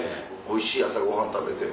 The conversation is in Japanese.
おいしい朝ごはん食べて。